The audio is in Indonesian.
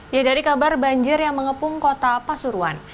ya dari kabar banjir yang mengepung kota pasuruan